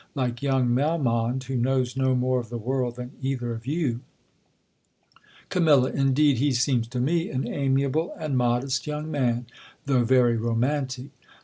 like young Melmond, who knows no more of the world than either of you ? Cam. Indeed, he seems to me an amiable and modest young man, though very romantic.